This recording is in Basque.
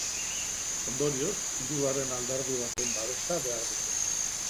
Ondorioz, hirugarren alderdi baten babesa behar dute.